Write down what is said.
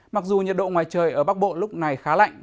mặc dù nhiệt độ ngoài trời ở bắc bộ lúc này khá lạnh